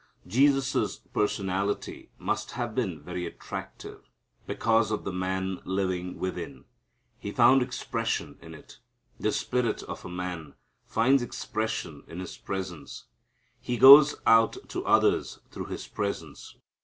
Jesus' personality must have been very attractive, because of the man living within. He found expression in it. The spirit of a man finds expression in his presence. He goes out to others through his presence.